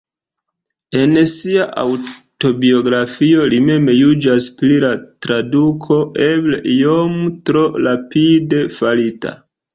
En sia aŭtobiografio li mem juĝas pri la traduko "eble iom tro rapide farita".